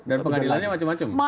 dan pengadilannya macam macam